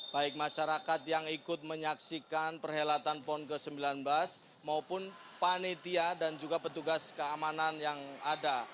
baik masyarakat yang ikut menyaksikan perhelatan pon ke sembilan belas maupun panitia dan juga petugas keamanan yang ada